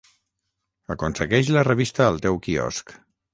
Aconsegueix la revista al teu quiosc